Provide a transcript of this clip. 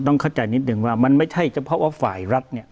เข้าใจนิดนึงว่ามันไม่ใช่เฉพาะว่าฝ่ายรัฐเนี่ย